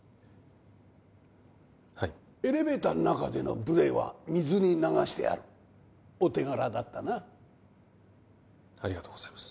はいエレベーターの中での無礼は水に流してやるお手柄だったなありがとうございます